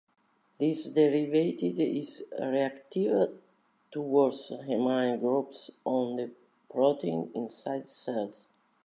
This derivative is reactive towards amine groups on proteins inside cells.